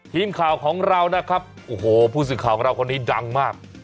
ทีมข่าวของเรานะครับโอ้โหผู้สื่อข่าวของเราคนนี้ดังมาก